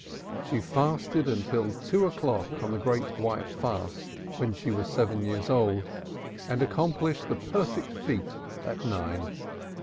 She fasted till two o'clock on the Great White Fast when she was seven years old and accomplished the perfect feat at nine.